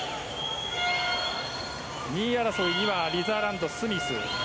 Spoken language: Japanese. ２位争いにはリザーランドスミス。